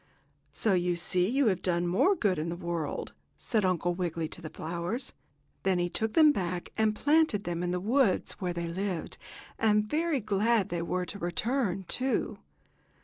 "So you see you have done more good in the world," said Uncle Wiggily to the flowers. Then he took them back and planted them in the woods where they lived, and very glad they were to return, too.